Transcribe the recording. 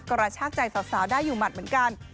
กระชากใจสาวได้อยู่หมัดเหมือนกัน